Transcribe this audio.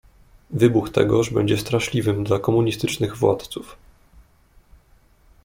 "Wybuch tegoż będzie straszliwym dla komunistycznych władców."